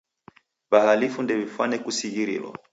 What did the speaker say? W'ahalifu ndew'ifwane kusighirilwa.